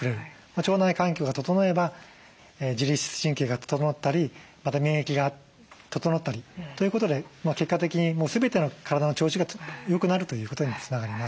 腸内環境が整えば自律神経が整ったりまた免疫が整ったりということで結果的に全ての体の調子がよくなるということにつながります。